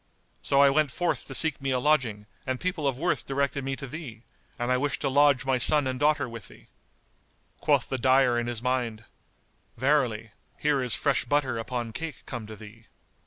So I went forth to seek me a lodging, and people of worth directed me to thee, and I wish to lodge my son and daughter with thee." Quoth the dyer in his mind, "Verily, here is fresh butter upon cake come to thee."